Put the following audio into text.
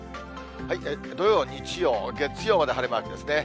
土曜、日曜、月曜まで晴れマークですね。